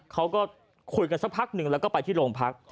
เขาก็คุยกันสักพักหนึ่งแล้วก็ไปที่โรงพัก